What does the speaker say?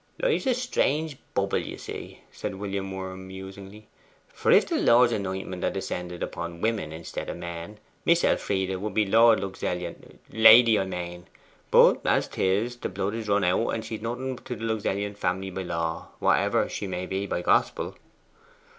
'Life's a strangle bubble, ye see,' said William Worm musingly. 'For if the Lord's anointment had descended upon women instead of men, Miss Elfride would be Lord Luxellian Lady, I mane. But as it is, the blood is run out, and she's nothing to the Luxellian family by law, whatever she may be by gospel.